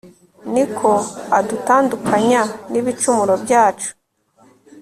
ni ko adutandukanya n'ibicumuro byacu